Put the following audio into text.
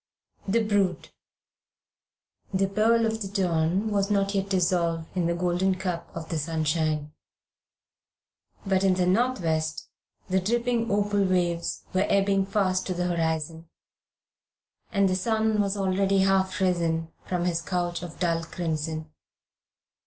THE BRUTE THE pearl of the dawn was not yet dissolved in the gold cup of the sunshine, but in the northwest the dripping opal waves were ebbing fast to the horizon, and the sun was already half risen from his couch of dull crimson.